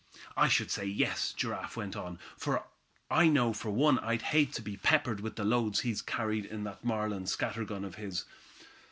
"I should say, yes," Giraffe went on, "I know for one I'd hate to be peppered with the loads he carries in that Marlin scatter gun of his.